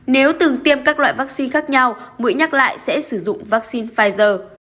nếu từng tiêm các loại vaccine khác nhau mũi nhắc lại sẽ sử dụng vaccine pfizer